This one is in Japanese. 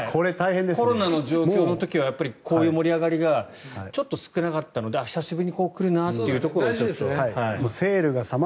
コロナの状況の時はこういう盛り上がりがちょっと少なかったので久しぶりに来るなと。